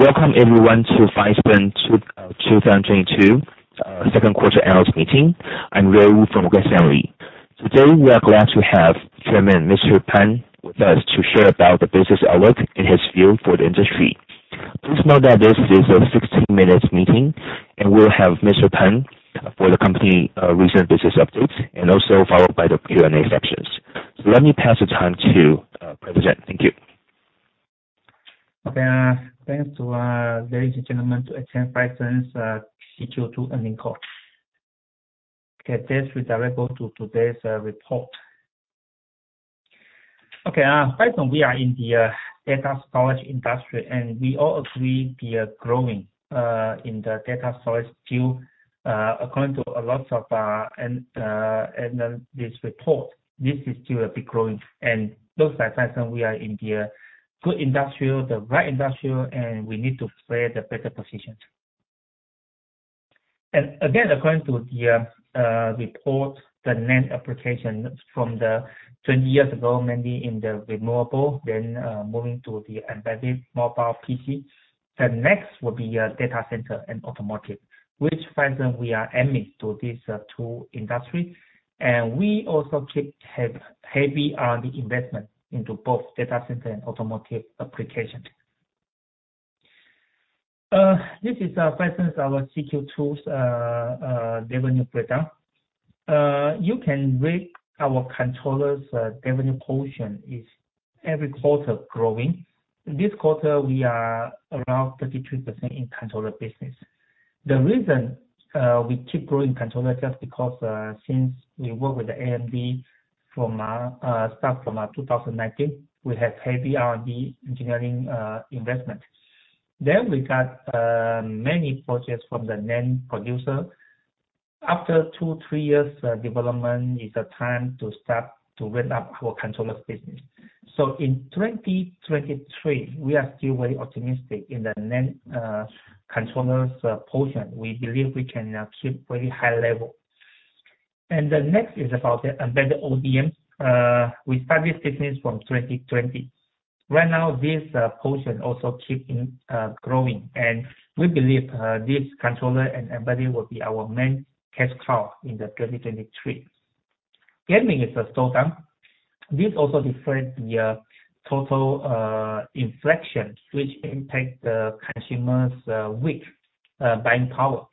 Welcome everyone to Phison 2022 second quarter analyst meeting. I'm Leo Wu from Westcomb. Today, we are glad to have Chairman Mr. Pan with us to share about the business outlook and his view for the industry. Please note that this is a 60-minute meeting, and we'll have Mr. Pan for the company recent business update and also followed by the Q&A sessions. Let me pass the time to present. Thank you. Okay. Thanks to ladies and gentlemen for attending Phison's Q2 earnings call. Okay, let's get right to today's report. Okay, Phison, we are in the data storage industry, and we all agree we are growing in the data storage field. According to a lot of analysis report, this is still a big growth. Looks like Phison, we are in the good industry, the right industry, and we need to play the better positions. Again, according to the report, the NAND application from 20 years ago, mainly in the removable, then moving to the embedded mobile PC. The next will be data center and automotive, which Phison we are aiming to these two industries, and we also have heavy R&D investment into both data center and automotive application. This is Phison's our CQ2 revenue breakdown. You can read our controllers revenue portion is every quarter growing. This quarter we are around 33% in controller business. The reason we keep growing controller just because since we work with the AMD from start from 2019, we have heavy R&D engineering investment. Then we got many projects from the NAND producer. After two, three years development, is a time to start to ramp up our controller business. In 2023, we are still very optimistic in the NAND controller's portion. We believe we can achieve very high level. The next is about the embedded ODM. We start this business from 2020. Right now, this portion also keeping growing, and we believe this controller and embedding will be our main cash cow in 2023. Gaming is slowing down. This also reflect the total inflation, which impact the consumers weak buying power.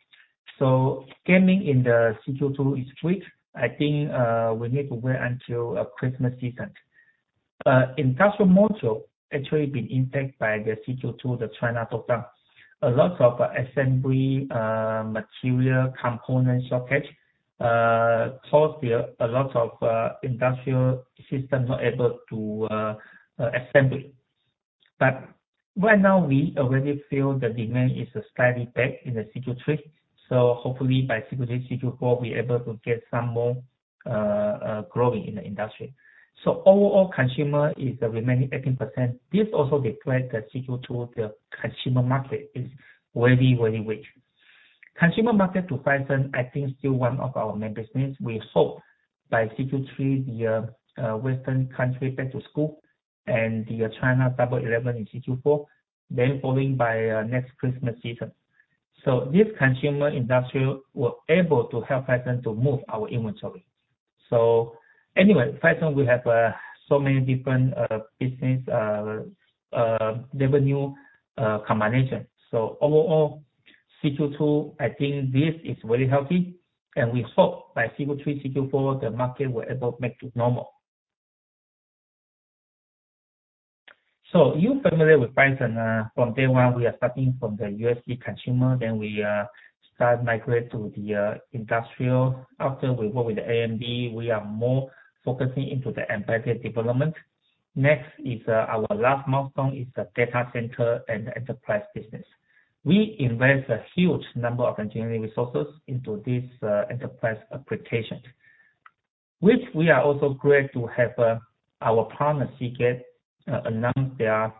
Gaming in the CQ2 is weak. I think we need to wait until Christmas season. Industrial module actually been impacted by the CQ2, the China lockdown. A lot of assembly material component shortage caused a lot of industrial system not able to assemble. Right now, we already feel the demand is slightly back in the CQ3, so hopefully by CQ3, CQ4, we're able to get some more growing in the industry. Overall, consumer is remaining 18%. This also reflect that CQ2, the consumer market is very, very weak. Consumer market to Phison, I think still one of our main business. We hope by CQ3, the Western country back to school and the China Double Eleven in CQ4, then following by next Christmas season. This consumer industry will able to help Phison to move our inventory. Anyway, Phison, we have so many different business revenue combination. Overall, CQ2, I think this is very healthy, and we hope by CQ3, CQ4, the market will able back to normal. You're familiar with Phison. From day one, we are starting from the USB consumer, then we start migrate to the industrial. After we work with the AMD, we are more focusing into the embedded development. Next, our last milestone is the data center and enterprise business. We invest a huge number of engineering resources into this enterprise application, which we are also glad to have our partner, Seagate, announce their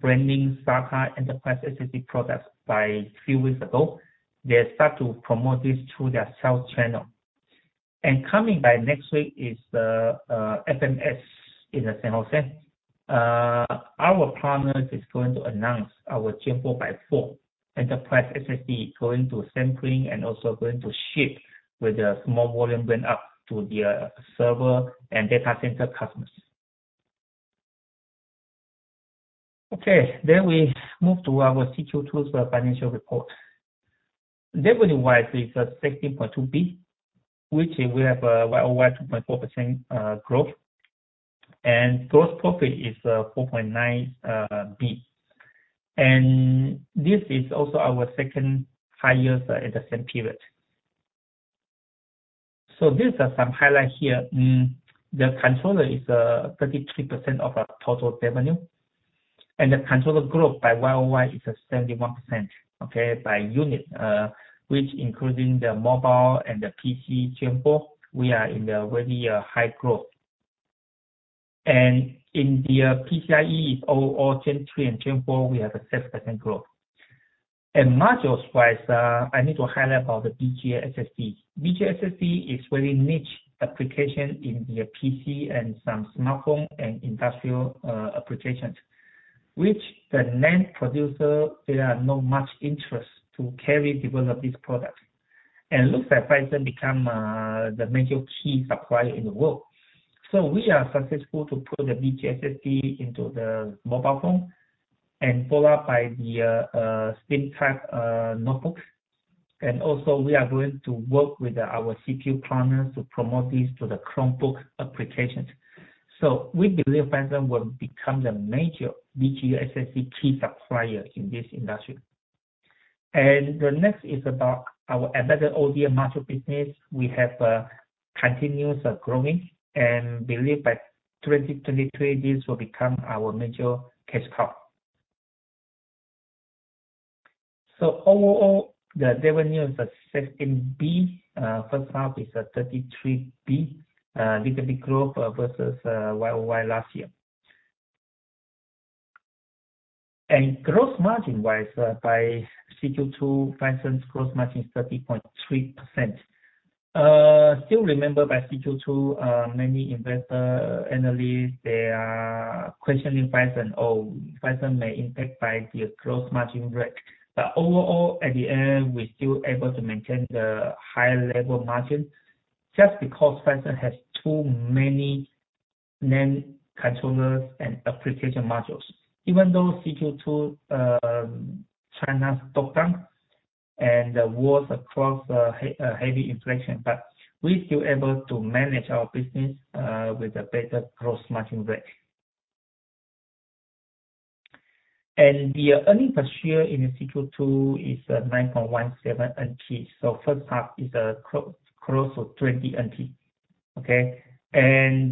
branding Nytro enterprise SSD products a few weeks ago. They start to promote this through their sales channel. Coming up next week is FMS in San Jose. Our partners is going to announce our Gen4 x4 enterprise SSD going to sampling and also going to ship with a small volume going up to their server and data center customers. Okay, we move to our Q2 financial report. Revenue-wise is 16.2 billion, which we have year-over-year 2.4% growth. Gross profit is 4.9 billion. This is also our second highest at the same period. These are some highlights here. The controller is 33% of our total revenue, and the controller growth year-over-year is 71%, okay? By unit, which including the mobile and the PC Gen 4, we are in the very high growth. In the PCIe overall Gen 3 and Gen 4, we have a 6% growth. Modules-wise, I need to highlight about the BGA SSD. BGA SSD is very niche application in the PC and some smartphone and industrial applications, which the NAND producer, they are not much interest to carry develop these products. Looks like Phison become the major key supplier in the world. We are successful to put the BGA SSD into the mobile phone and follow up by the thin type notebooks. We are going to work with our CPU partners to promote this to the Chromebook applications. We believe Phison will become the major BGA SSD key supplier in this industry. The next is about our embedded ODM module business. We have continuous growing and believe by 2023, this will become our major cash cow. Overall, the revenue is 13 billion, first half is 33 billion, little bit growth versus Y-o-Y last year. Gross margin-wise, by Q2, Phison's gross margin is 30.3%. Still remember in Q2, many investment analysts, they are questioning Phison, "Oh, Phison may be impacted by the gross margin rate." Overall, at the end, we're still able to maintain the high level margin just because Phison has so many NAND controllers and application modules. Even though Q2, China's lockdown and worldwide heavy inflation, we still able to manage our business with a better gross margin rate. The earnings per share in the Q2 is 9.17 NT. First half is close to 20 NT, okay?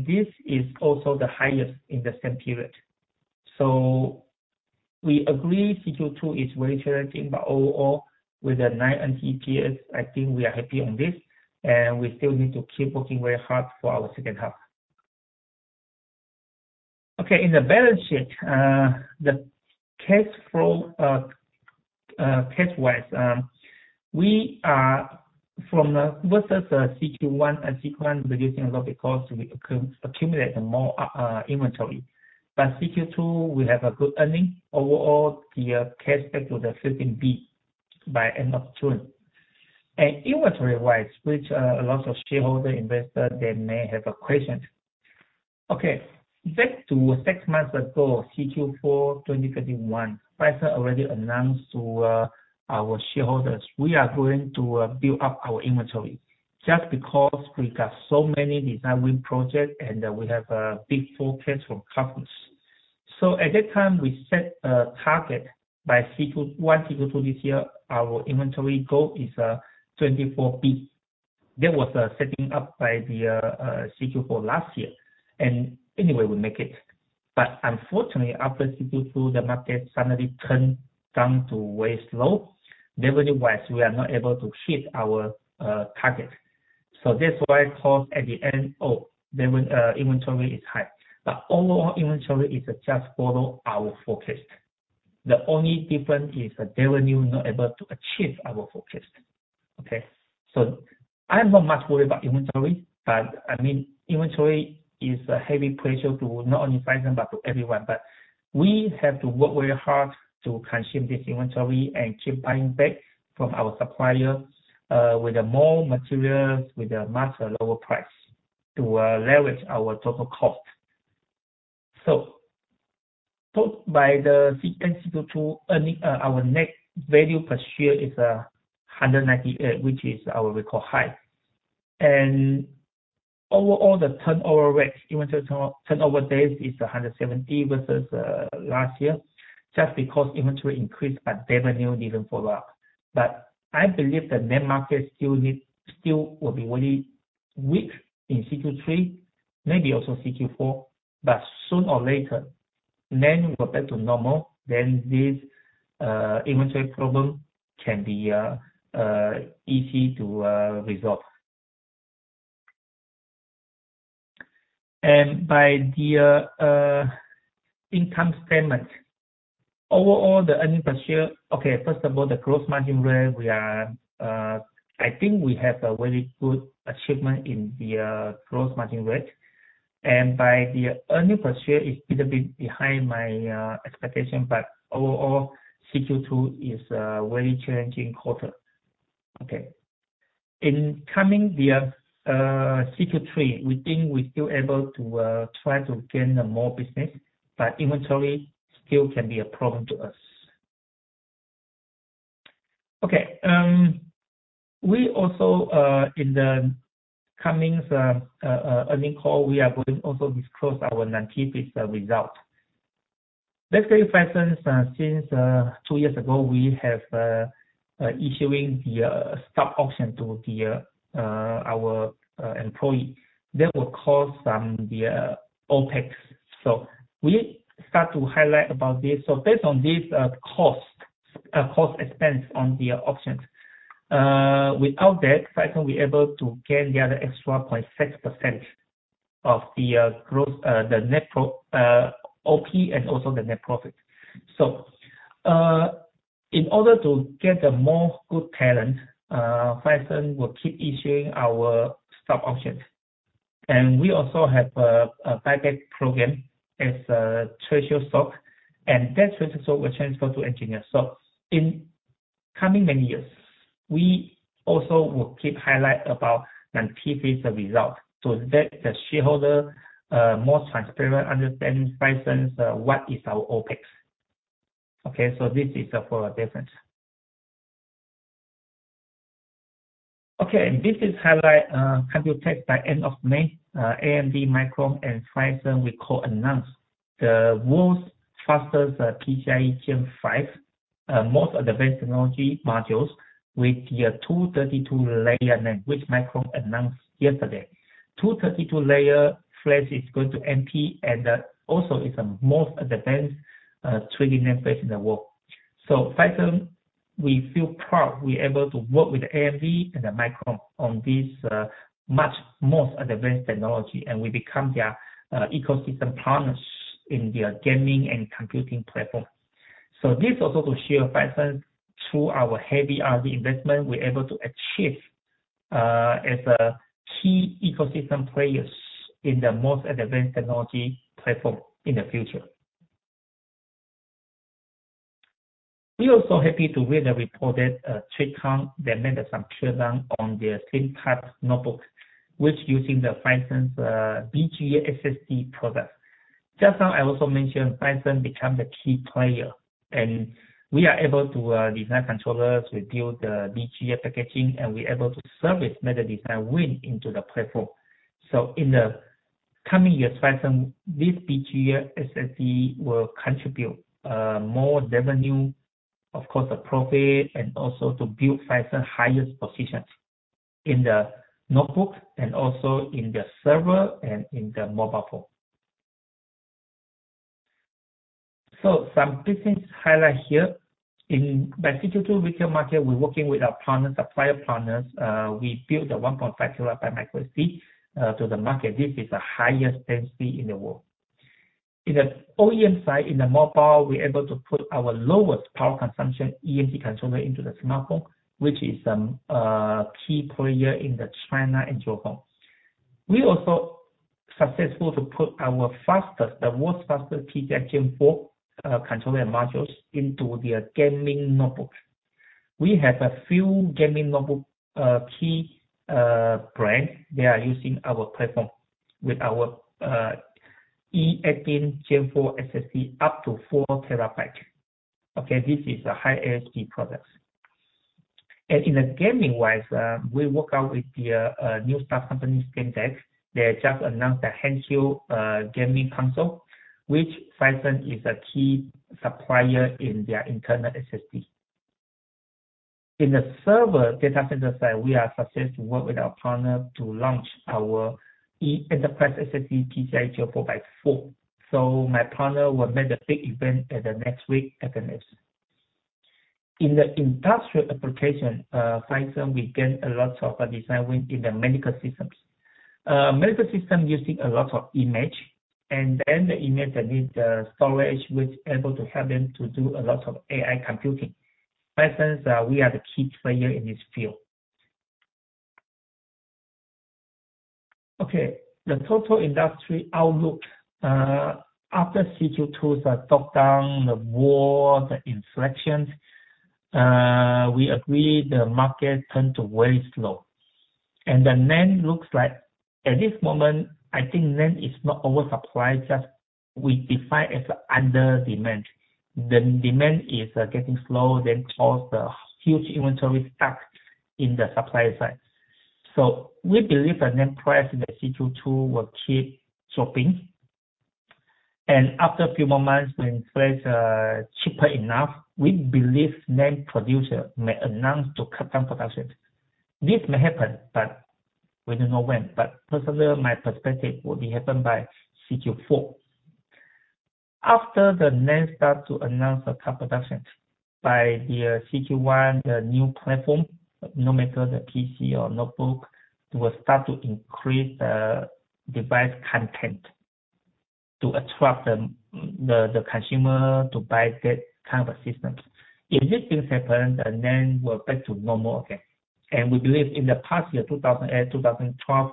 This is also the highest in the same period. We agree Q2 is very challenging, but overall, with the 9 EPS, I think we are happy on this, and we still need to keep working very hard for our second half. Okay, in the balance sheet, the cash flow, cash-wise, we are versus the Q1 sequentially reducing a lot because we accumulate more inventory. Q2, we have good earnings. Overall, the cash back to 13 billion by end of June. Inventory-wise, which a lot of shareholder investors, they may have a question. Okay. Back to six months ago, Q4 2021, Phison already announced to our shareholders we are going to build up our inventory just because we got so many designing project and we have a big forecast from customers. At that time, we set a target by Q1, Q2 this year, our inventory goal is 24 billion. That was setting up by the Q4 last year. Anyway, we make it. Unfortunately, after Q2, the market suddenly turned down to very slow. Revenue-wise, we are not able to hit our target. That's why it caused at the end inventory is high. Overall inventory is just following our forecast. The only difference is the revenue not able to achieve our forecast, okay. I'm not much worried about inventory, but I mean, inventory is a heavy pressure to not only Phison but to everyone. We have to work very hard to consume this inventory and keep buying back from our supplier with more materials, with a much lower price to leverage our total cost. By the end Q2 earnings, our net value per share is 198, which is our record high. Overall, the turnover rate, inventory turnover days is 170 versus last year, just because inventory increased but revenue didn't follow up. I believe the main market still will be very weak in Q3, maybe also Q4. Sooner or later, NAND go back to normal, then this inventory problem can be easy to resolve. By the income statement. Overall, the earnings per share. Okay, first of all, the gross margin rate, we are, I think we have a very good achievement in the gross margin rate. By the earnings per share is little bit behind my expectation, but overall, Q2 is a very challenging quarter. Okay. In the coming Q3, we think we still able to try to gain more business, but inventory still can be a problem to us. Okay, we also in the coming earnings call, we are going to also disclose our Q3 results. Let's say Phison since two years ago, we have issuing the stock option to our employee that will cause some OpEx. We start to highlight about this. Based on this cost expense on the options, without that, Phison will be able to gain the other extra 0.6% of the growth, the OP and also the net profit. In order to get a more good talent, Phison will keep issuing our stock options. We also have a buyback program as a treasury stock, and that treasury stock will transfer to engineers stock. In coming many years, we also will keep highlight about non-GAAP result so that the shareholder more transparent understanding Phison's what is our OpEx. This is for a difference. This is highlight Computex by end of May. AMD, Micron, and Phison, we co-announce the world's fastest PCIe Gen5 most advanced technology modules with 232-layer NAND, which Micron announced yesterday. 232-layer flash is going to MP, and also is a most advanced 3D NAND flash in the world. Phison, we feel proud we're able to work with AMD and then Micron on this much more advanced technology, and we become their ecosystem partners in their gaming and computing platform. This also to show Phison through our heavy R&D investment, we're able to achieve as a key ecosystem players in the most advanced technology platform in the future. We're also happy to win the Computex design award for the thin type notebooks, which using the Phison's BGA SSD product. Just now I also mentioned Phison become the key player, and we are able to design controllers. We build the BGA packaging, and we're able to service major design win into the platform. In the coming years, Phison, this BGA SSD will contribute more revenue, of course, the profit, and also to build Phison's highest positions in the notebook and also in the server and in the mobile phone. Some business highlight here. In the Q2 retail market, we're working with our partners, supplier partners. We build the 1.5 TB microSD to the market. This is the highest density in the world. In the OEM side, in the mobile, we're able to put our lowest power consumption eMMC controller into the smartphone, which is key player in the China and Japan. We're also successful to put our fastest, the world's fastest PCIe Gen4 controller modules into their gaming notebook. We have a few gaming notebook key brand. They are using our platform with our E18 Gen4 SSD up to 4 TB. This is a high ASP product. In the gaming wise, we work out with the new start company, Steam Deck. They just announced a handheld gaming console, which Phison is a key supplier in their internal SSD. In the server data center side, we are success to work with our partner to launch our Enterprise SSD PCIe 4x4. So my partner will make the big event at the next week at the next. In the industrial application, Phison, we gain a lot of design win in the medical systems. Medical system using a lot of image, and then the image that needs storage, which able to help them to do a lot of AI computing. Phison's, we are the key player in this field. Okay, the total industry outlook. After Q2 2022, the lockdown, the war, the inflation, we agree the market turned to very slow. The NAND looks like at this moment, I think NAND is not oversupply, just we define as under demand. The demand is getting slow, then cause the huge inventory stuck in the supply side. We believe the NAND price in the Q2 2022 will keep dropping. After a few more months, when price are cheaper enough, we believe NAND producer may announce to cut down production. This may happen, but we don't know when. Personally, my perspective will be happen by Q2 2024. After the NAND start to announce a cut production, by the Q2 2021, the new platform, no matter the PC or notebook, will start to increase device content to attract the consumer to buy that kind of systems. If these things happen, the NAND will back to normal again. We believe in the past year, 2008, 2012,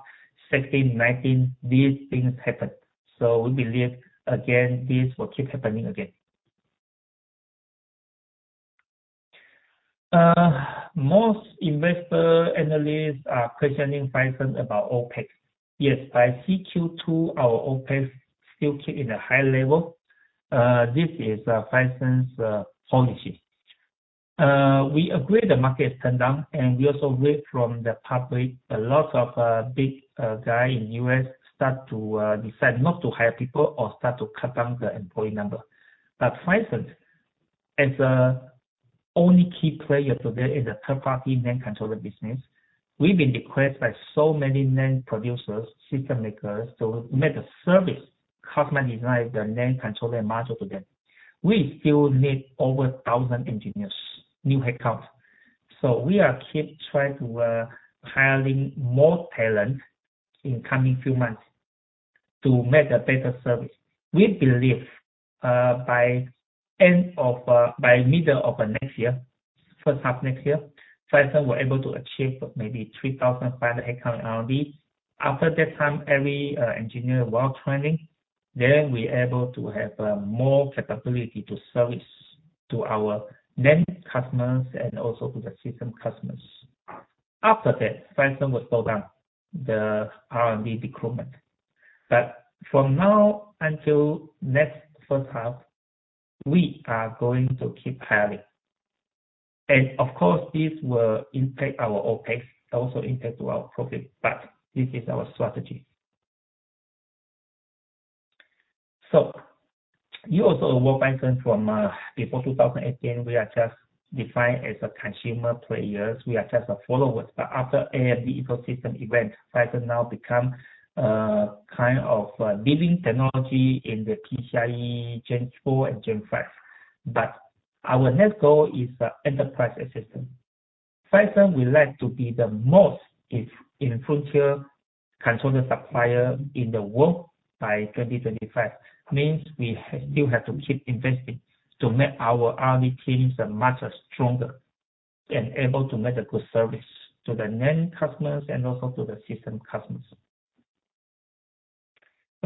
2016, 2019, these things happened. We believe again, this will keep happening again. Most investor analysts are questioning Phison about OpEx. Yes, by Q2, our OpEx still keep in a high level. This is Phison's policy. We agree the market turn down, and we also read from the public a lot of big guy in U.S. start to decide not to hire people or start to cut down the employee number. But Phison, as the only key player today in the third-party NAND controller business, we've been requested by so many NAND producers, system makers, to make a service, customize the NAND controller module for them. We still need over 1,000 engineers, new headcount. We are keep trying to hiring more talent in coming few months to make a better service. We believe by middle of next year, first half next year, Phison will able to achieve maybe 3,500 headcount R&D. After that time, every engineer well-trained, then we're able to have more capability to service to our main customers and also to the system customers. After that, Phison will slow down the R&D recruitment. For now until next first half, we are going to keep hiring. Of course, this will impact our OpEx, also impact to our profit, but this is our strategy. You also know Phison from before 2018, we are just defined as a consumer players. We are just followers. After AMD ecosystem event, Phison now become kind of leading technology in the PCIe Gen 4 and Gen 5. Our next goal is enterprise SSD. Phison would like to be the most important console supplier in the world by 2025. Means we will have to keep investing to make our R&D teams much stronger and able to make a good service to the main customers and also to the system customers.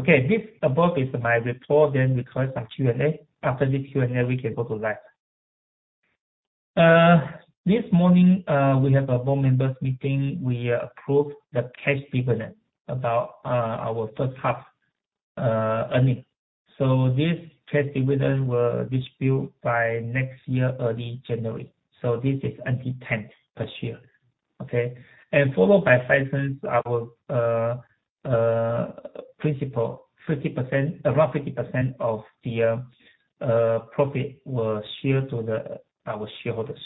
Okay, this above is my report. We call some Q&A. After this Q&A, we can go live. This morning, we have a board members meeting. We approved the cash dividend about our first half earning. This cash dividend will distribute by next year, early January. This is TWD 10 per share. Okay? Followed by Phison's our principal 50%, around 50% of the profit will share to our shareholders.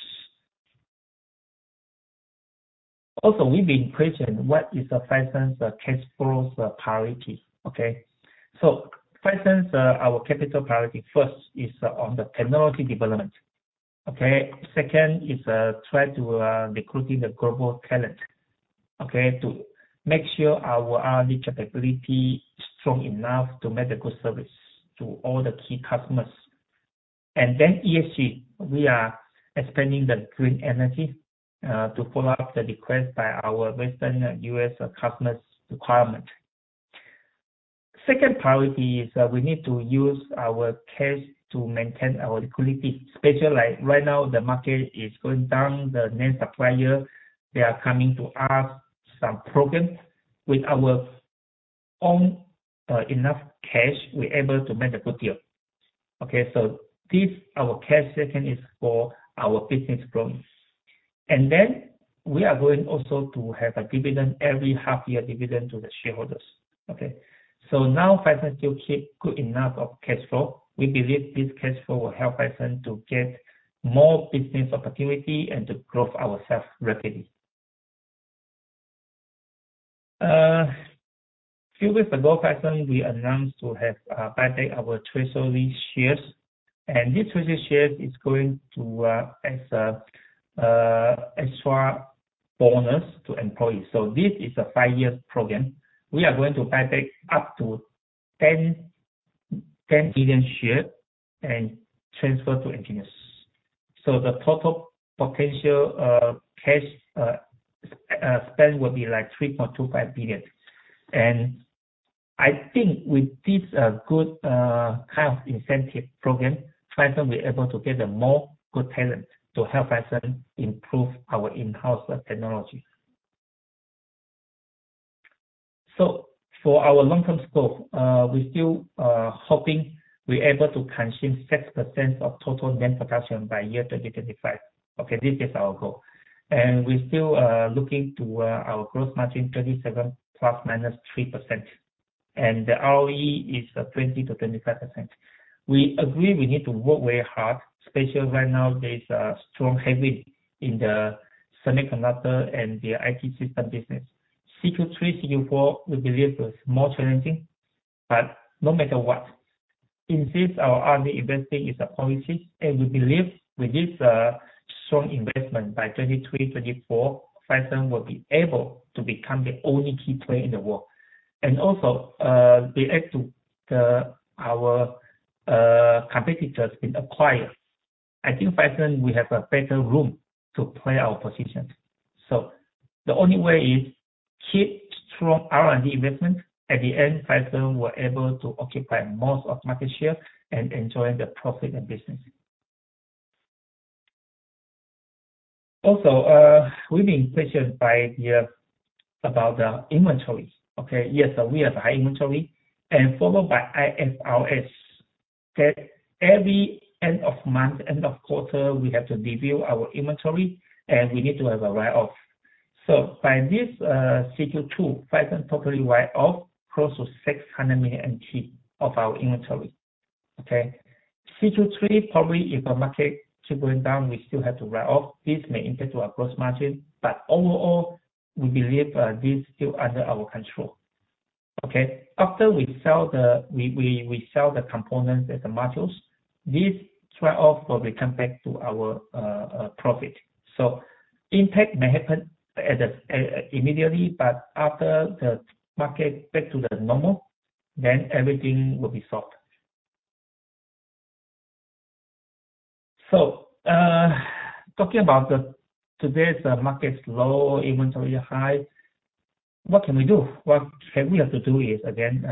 Also, we've been questioned what is Phison's cash flows priority. Okay? Phison's our capital priority first is on the technology development. Okay? Second is try to recruiting the global talent, okay, to make sure our R&D capability is strong enough to make a good service to all the key customers. Then ESG, we are expanding the green energy to follow up the request by our western U.S. customers' requirement. Second priority is we need to use our cash to maintain our liquidity, especially like right now, the market is going down. The main supplier, they are coming to us some programs with our own enough cash, we're able to make a good deal. Okay, this our cash second is for our business growth. Then we are going also to have a dividend, every half year dividend to the shareholders. Okay? Now Phison still keep good enough of cash flow. We believe this cash flow will help Phison to get more business opportunity and to grow ourselves rapidly. A few weeks ago, Phison we announced to have buyback our treasury shares. This treasury shares is going to as a extra bonus to employees. This is a five-year program. We are going to buyback up to 10 billion shares and transfer to engineers. The total potential cash spend will be like 3.25 billion. I think with this good kind of incentive program, Phison will able to get a more good talent to help Phison improve our in-house technology. For our long-term scope, we still hoping we're able to consume 6% of total NAND production by year 2025. Okay, this is our goal. We still looking to our gross margin 37 ± 3%, and the ROE is 20%-25%. We agree we need to work very hard, especially right now there is a strong headwind in the semiconductor and the IT system business. Q2, Q3, Q4, we believe it's more challenging. No matter what, insist our R&D investing is a policy, and we believe with this strong investment, by 2023-2024, Phison will be able to become the only key player in the world. Relate to our competitors been acquired. I think Phison, we have a better room to play our positions. The only way is keep strong R&D investment. At the end, Phison will able to occupy most of market share and enjoy the profit and business. We've been questioned by the about the inventory. Yes, we have high inventory and followed by IFRS. Every end of month, end of quarter, we have to review our inventory, and we need to have a write-off. By this Q2, Phison probably write-off close to 600 million of our inventory. Q3, probably if the market keeps going down, we still have to write off. This may impact to our gross margin. Overall, we believe this still under our control. After we sell the components as the modules, this trade-off will come back to our profit. Impact may happen immediately, but after the market back to normal, then everything will be solved. Talking about today's market is low, inventory high, what can we do? What we have to do is again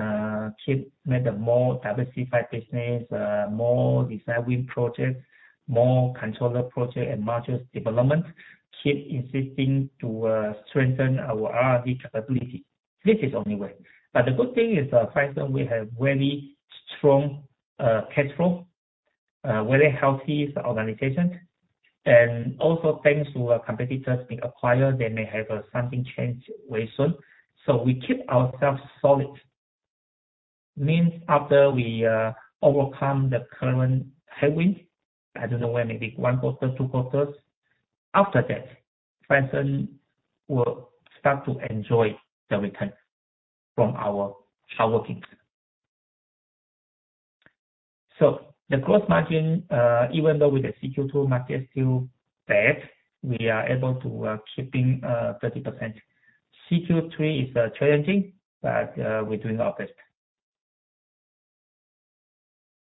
keep make a more diversified business, more designing projects, more controller project and modules development. Keep insisting to strengthen our R&D capability. This is only way. The good thing is, Phison, we have very strong cash flow, very healthy organization. Also, thanks to our competitors being acquired, they may have something change very soon. We keep ourselves solid. Means after we overcome the current headwind, I don't know when, maybe one quarter, two quarters. After that, Phison will start to enjoy the return from our hard working. The gross margin, even though with the Q2 market still bad, we are able to keeping 30%. Q3 is challenging, but we're doing our best.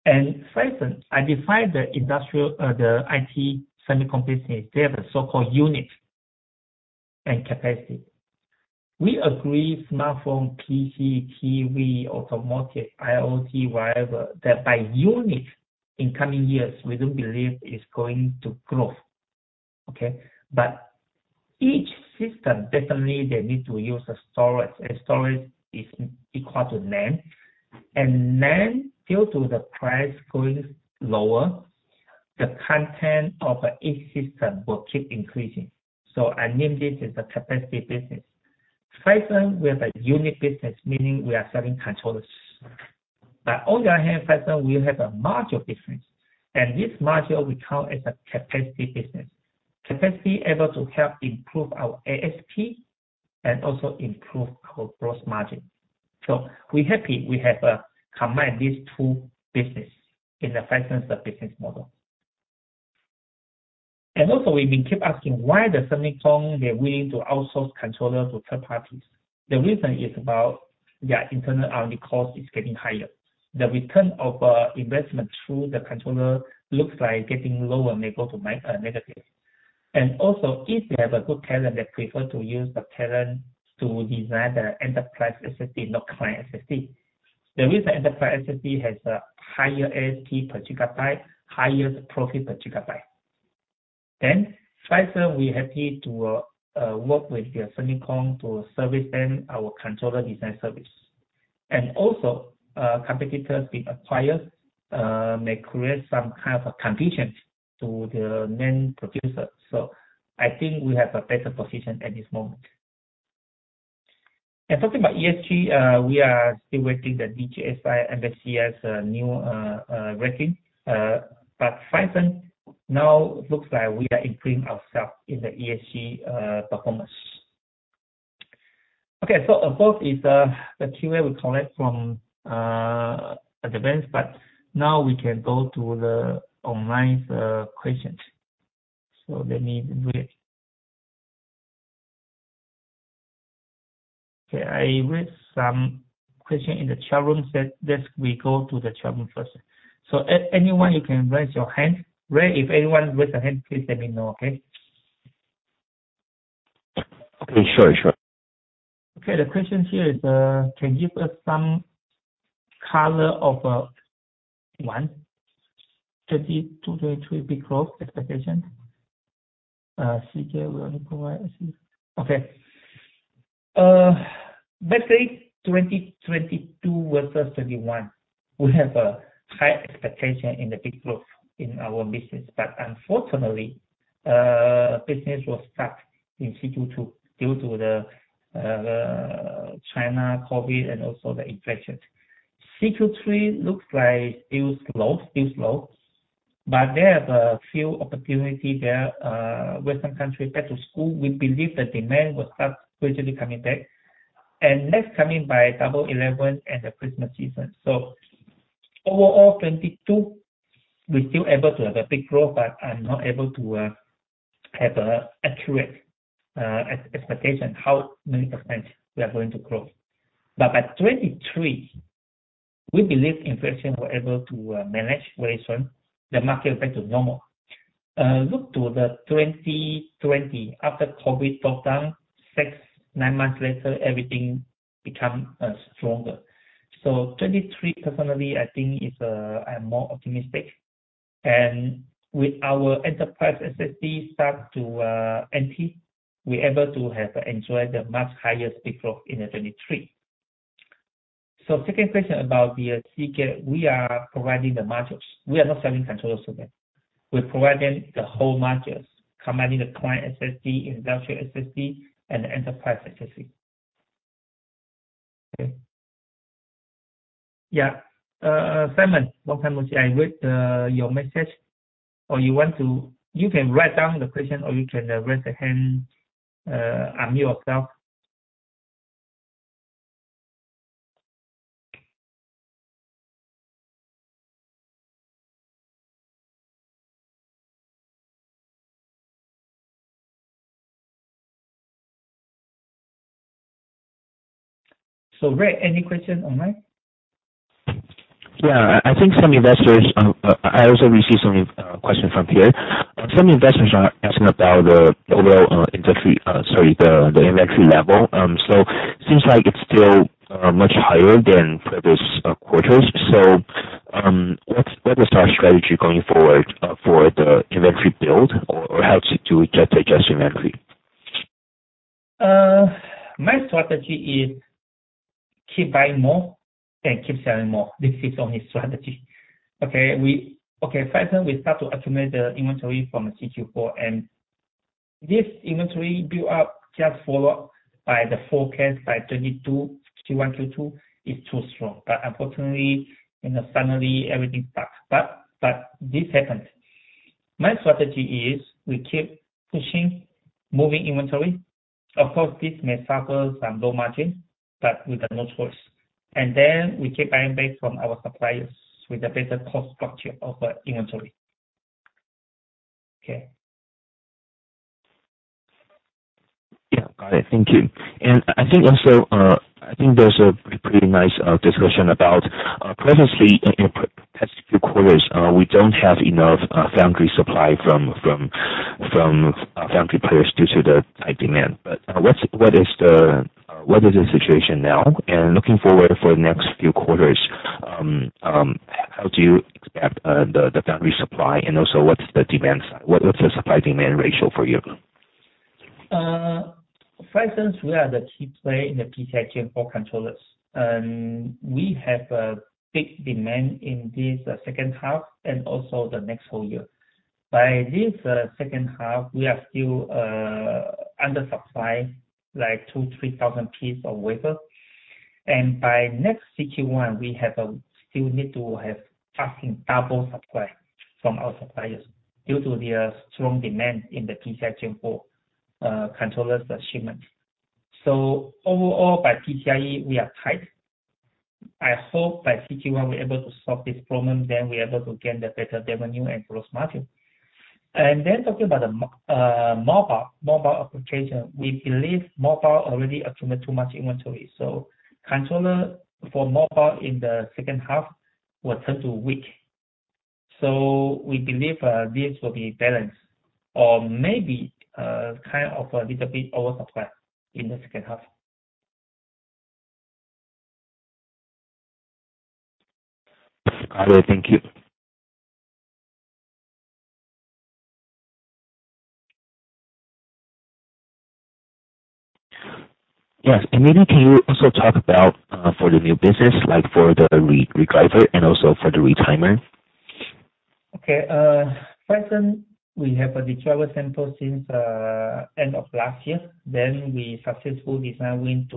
Phison, I define the industrial, the IT semiconductor business. They have a so-called unit and capacity. We agree smartphone, PC, TV, automotive, IoT, whatever, that by unit in coming years, we do believe it's going to grow. Okay. Each system, definitely, needs to use storage, and storage is equal to NAND. NAND, due to the price going lower, the content of each system will keep increasing. I name this as a capacity business. Phison, we have a unit business, meaning we are selling controllers. Besides, we also have a module business. This module we count as a capacity business. Capacity able to help improve our ASP and also improve our gross margin. We're happy we have combined these two businesses in Phison's business model. Also, we keep asking why semiconductors are willing to outsource controllers to third parties. The reason is about their internal R&D cost is getting higher. The return on investment through the controller looks like getting lower, may go to negative. If they have a good talent, they prefer to use the talent to design the enterprise SSD, not client SSD. The reason enterprise SSD has a higher ASP per GB, highest profit per GB. Phison, we're happy to work with their semiconductor to service them our controller design service. Competitors being acquired may create some kind of competition to the NAND producer. I think we have a better position at this moment. Talking about ESG, we are still waiting the DJSI and MSCI's new ranking. But Phison now looks like we are improving ourselves in the ESG performance. Okay. Above is the Q&A we collect from advance, but now we can go to the online questions. Let me do it. Okay. I read some question in the chat room said that we go to the chat room first. Anyone, you can raise your hand. Ray, if anyone raise a hand, please let me know, okay? Okay, sure. Okay, the question here is, can you give us some color of 2022-2023 big growth expectation. CK will provide, I see. Okay. Basically 2022 versus 2021, we have a high expectation in the big growth in our business. Unfortunately, business was stuck in Q2 due to the China COVID and also the inflation. Q3 looks like it was slow, still slow, but they have a few opportunity there, Western country back to school. We believe the demand will start gradually coming back. Next coming by Double Eleven and the Christmas season. Overall, 2022, we still able to have a big growth, but I'm not able to have an accurate expectation how many % we are going to grow. By 2023, we believe inflation will be able to manage very soon. The market back to normal. Look to the 2020, after COVID lockdown, six-nine months later, everything become stronger. 2023, personally, I think is. I'm more optimistic. With our enterprise SSD start to NT$, we're able to have enjoyed a much higher big growth in the 2023. Second question about the CK. We are providing the modules. We are not selling controllers to them. We're providing the whole modules, combining the client SSD, industrial SSD, and the enterprise SSD. Okay. Yeah. Simon, you can write down the question or you can raise a hand, unmute yourself. Ray, any question online? Yeah. I think some investors, I also received some question from here. Some investors are asking about the overall industry, sorry, the inventory level. It seems like it's still much higher than previous quarters. What is our strategy going forward for the inventory build or how do we get to adjust inventory? My strategy is keep buying more and keep selling more. This is only strategy. First time we start to accumulate the inventory from a CQ4, and this inventory build up just followed by the forecast by 2022, CQ one, CQ two is too strong. Unfortunately, you know, suddenly everything back. This happened. My strategy is we keep pushing moving inventory. Of course, this may suffer some low margin, but we've got no choice. Then we keep buying from our suppliers with the better cost structure of our inventory. Yeah. Got it. Thank you. I think also there's a pretty nice discussion about previously in past few quarters we don't have enough foundry supply from foundry players due to the high demand. What is the situation now? Looking forward for next few quarters how do you expect the foundry supply? Also what's the demand side? What's the supply-demand ratio for you? For instance, we are the key player in the PCIe Gen 4 controllers, and we have a big demand in this second half and also the next whole year. By this second half we are still under supplied, like 2-3,000 pieces of wafer. By next CQ1, we still need to have passing double supply from our suppliers due to the strong demand in the PCIe Gen 4 controllers shipment. Overall by PCIe we are tight. I hope by CQ1 we're able to solve this problem, then we're able to gain the better revenue and gross margin. Talking about the mobile application. We believe mobile already accumulate too much inventory. Controller for mobile in the second half will turn to weak. We believe this will be balanced or maybe kind of a little bit oversupply in the second half. Got it. Thank you. Yes, maybe can you also talk about, for the new business, like for the redriver and also for the retimer? Okay. First one, we have a driver sample since end of last year. We successfully design win to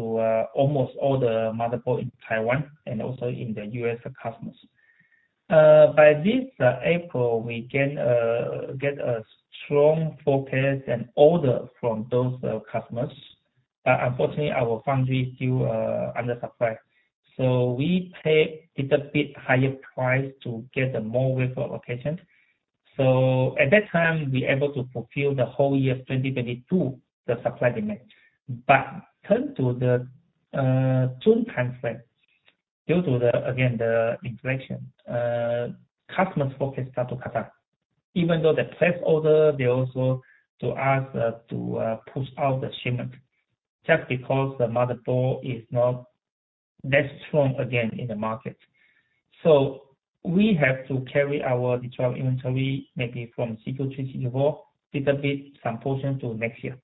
almost all the motherboards in Taiwan and also in the U.S. customers. By this April, we can get a strong forecast and order from those customers. Unfortunately, our foundry is still under supplied. We pay little bit higher price to get the more wafer allocation. At that time we're able to fulfill the whole year of 2022, the supply demand. Turn to the June timeframe, due to the inflation again, customers' forecasts start to cut back. Even though they place order, they also ask to push out the shipment just because the motherboards are not that strong again in the market. We have to carry our drive inventory maybe from CQ3, CQ4, little bit some portion to next year.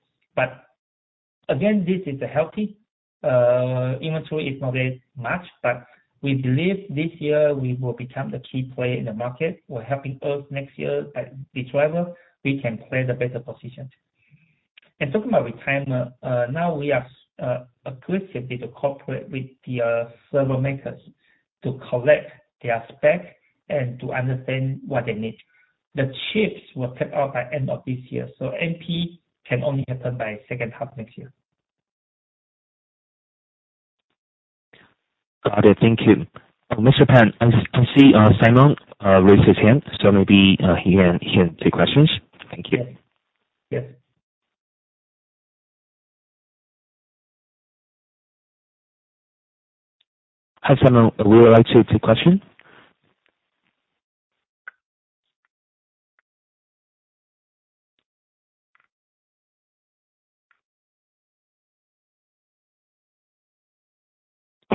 Again, this is a healthy inventory. It's not very much, but we believe this year we will become the key player in the market. Which will help us next year, like, with drive, we can play the better position. Talking about Retimer, now we are aggressively to cooperate with the server makers to collect their spec and to understand what they need. The chips will take off by end of this year, so MP can only happen by second half next year. Got it. Thank you. Mr. Pan, I can see Simon raised his hand, maybe he can take questions. Thank you. Yes. Yes. Hi, Simon. Would you like to take question?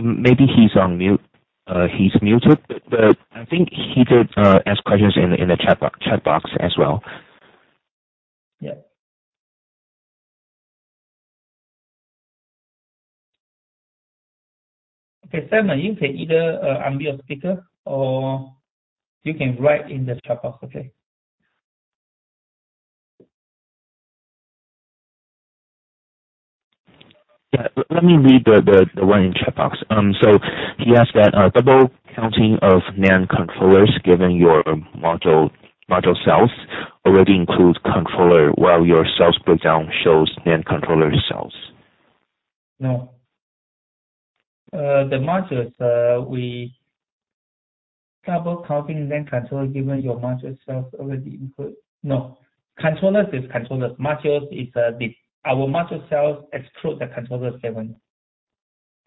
Maybe he's on mute. He's muted. I think he did ask questions in the chat box as well. Yeah. Okay, Simon, you can either unmute your speaker or you can write in the chat box. Okay. Let me read the one in chat box. He asked that double counting of NAND controllers given your module sales already includes controller while your sales breakdown shows NAND controller sales. No. The modules, double counting NAND controller given your module sales already include. No. Controllers is controllers, modules is, this. Our module sales exclude the controller segment.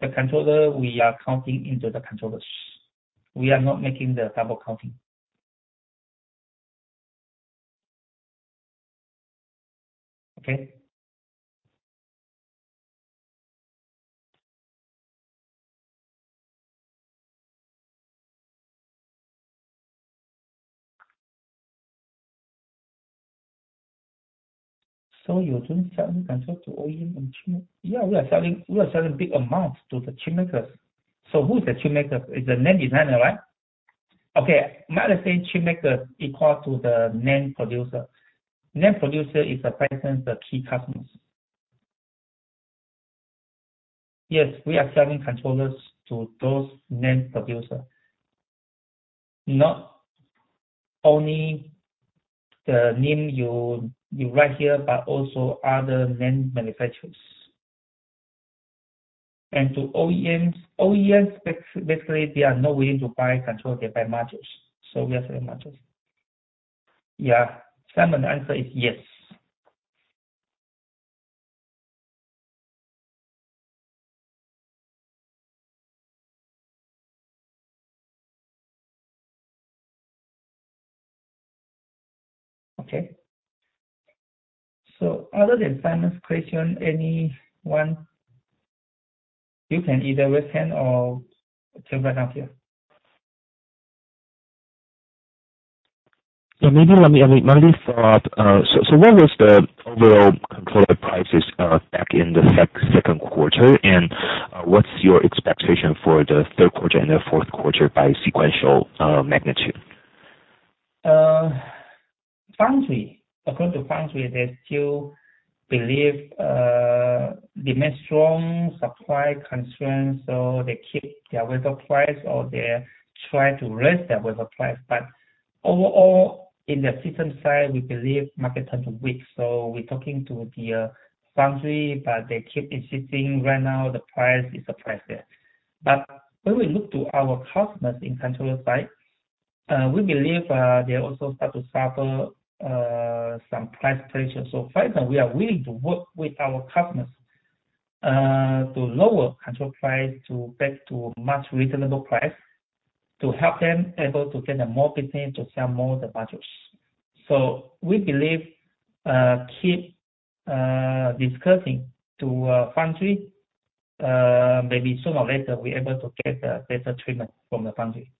The controller we are counting into the controllers. We are not making the double counting. Okay. You're selling controllers to OEM and chip? Yeah, we are selling big amounts to the chipmakers. Who's the chipmaker? Is the NAND designer, right? Okay. Might have said chipmaker equal to the NAND producer. NAND producer is Phison's key customers. Yes, we are selling controllers to those NAND producers. Not only the name you write here, but also other NAND manufacturers. To OEMs basically they are not willing to buy controllers, they buy modules. We are selling modules. Yeah. Simon, the answer is yes. Okay. Other than Simon's question, anyone? You can either raise hand or jump right out here. Maybe let me follow up, so what was the overall controller prices back in the second quarter? And what's your expectation for the third quarter and the fourth quarter by sequential magnitude? According to foundry, they still believe demand strong, supply constraints, so they keep their wafer price, or they try to raise their wafer price. Overall, in the system side we believe market trend weak, so we're talking to the foundry, but they keep insisting right now the price is the price there. When we look to our customers in controller side, we believe they also start to suffer some price pressures. Phison, we are willing to work with our customers to lower controller price back to much reasonable price to help them able to get the more business to sell more SSDs. We believe keep discussing to foundry, maybe sooner or later we're able to get better treatment from the foundry. Okay.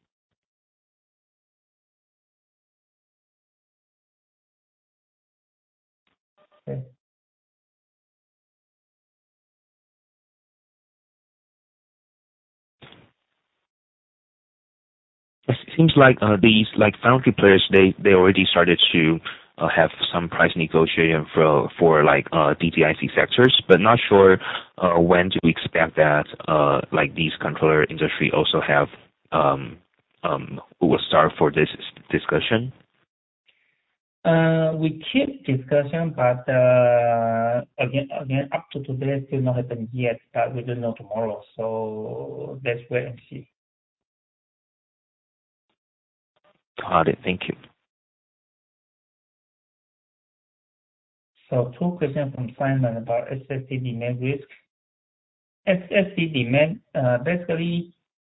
It seems like these like foundry players, they already started to have some price negotiation for like DDIC sectors, but not sure when do we expect that like this controller industry also have will start for this SSD discussion. We keep discussion but, again, up to today, it's still not happened yet. We don't know tomorrow. Let's wait and see. Got it. Thank you. Two questions from Simon about SSD demand risk. SSD demand basically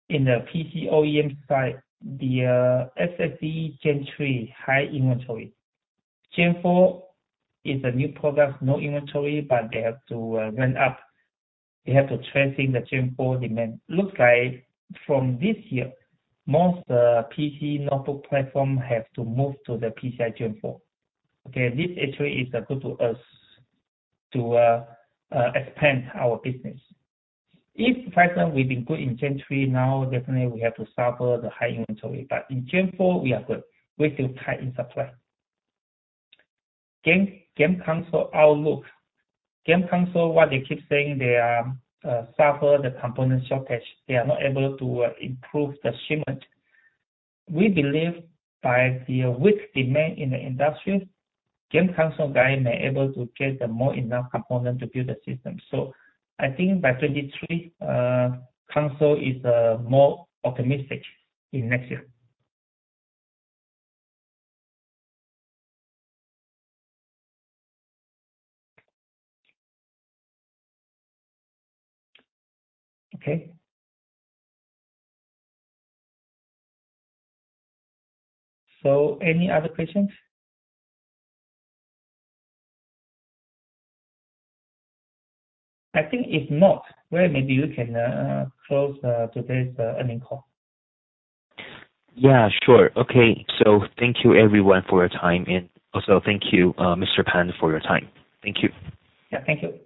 in the PC OEM side, the SSD Gen 3 high inventory. Gen 4 is a new product, no inventory, but they have to ramp up. They have to track the Gen 4 demand. Looks like from this year, most PC notebook platforms have to move to the PCIe Gen 4. Okay, this actually is good for us to expand our business. If Phison will be good in Gen 3, now definitely we have to suffer the high inventory. But in Gen 4 we are good. Supply is still tight. Game console outlook. Game console, what they keep saying, they are suffering the component shortage, they are not able to improve the shipment. We believe by the weak demand in the industry, game console guy may be able to get more than enough components to build a system. I think by 2023, console is more optimistic in next year. Okay. Any other questions? I think if not, maybe you can close today's earnings call. Yeah, sure. Okay. Thank you everyone for your time and also thank you, Mr. Pan, for your time. Thank you. Yeah, thank you.